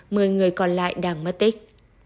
mười người còn lại đang mất tích